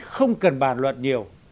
không cần bàn luận nhiều